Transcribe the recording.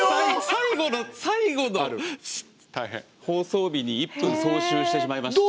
最後の最後の放送日に１分早終してしまいまして。